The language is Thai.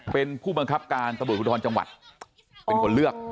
เป็นผู้บังคับการตำลวดคุณธรรมจังหวัดเป็นคนเลือกอ๋อ